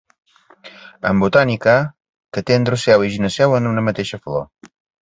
En botànica, que té androceu i gineceu en una mateixa flor.